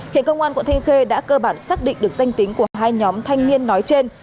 hiện công an quận thanh khê đã cơ bản xác định được danh tính của hai nhóm thanh niên nói trên